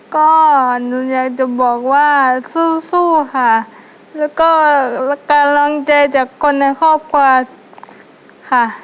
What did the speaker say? ก็หนูอยากจะบอกว่าสู้สู้ค่ะแล้วก็กำลังใจจากคนในครอบครัวค่ะ